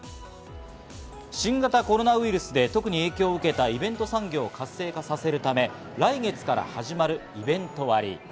新型コロナウイルスで特に影響を受けたイベント産業を活性化させるため、来月から始まるイベント割。